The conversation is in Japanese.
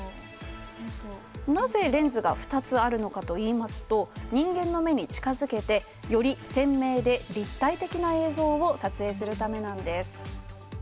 なぜ、レンズが２つあるのかといいますと、人間の目に近づけてより鮮明で立体的な映像を撮影するためなんです。